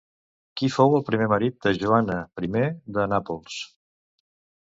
Qui fou el primer marit de Joana I de Nàpols?